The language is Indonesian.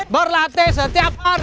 berlatih setiap hari